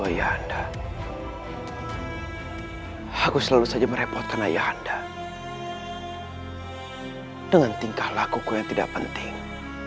oh ya aku selalu saja merepotkan ayah anda dengan tingkah lakuku yang tidak penting